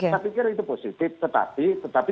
saya pikir itu positif tetapi